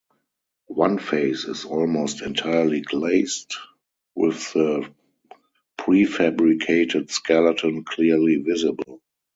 One face is almost entirely glazed, with the prefabricated skeleton clearly visible.